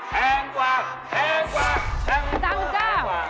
จ้าวคุณจ้าวันนี้คือจ้าวคุณค่ะ